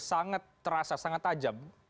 sangat terasa sangat tajam